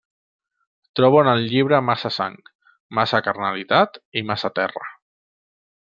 Trobo en el llibre massa sang, massa carnalitat i massa terra.